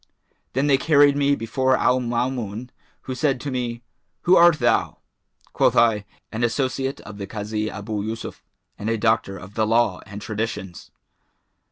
Then they carried me before Al Maamun, who said to me, 'Who art thou?' Quoth I, 'An associate of the Kazi Abu Yъsuf and a doctor of the law and traditions.'